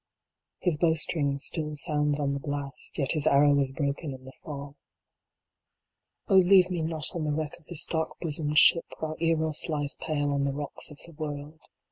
His bowstring still sounds on the blast, yet his arrow was broken in the fall. Oh leave me not on the wreck of this dark bosomed ship while Eros lies pale on the rocks of the world.